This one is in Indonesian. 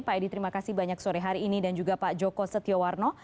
pak edi terima kasih banyak sore hari ini dan juga pak joko setiawarno